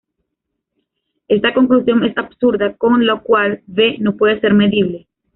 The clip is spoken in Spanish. Esta conclusión es absurda, con lo cual, "V" no puede ser medible.